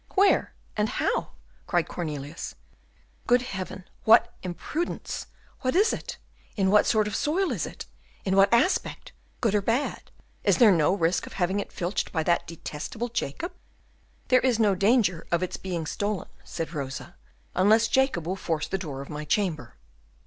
"Where? and how?" cried Cornelius. "Good Heaven, what imprudence! What is it? In what sort of soil is it? In what aspect? Good or bad? Is there no risk of having it filched by that detestable Jacob?" "There is no danger of its being stolen," said Rosa, "unless Jacob will force the door of my chamber."